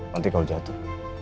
nanti kalau jatuh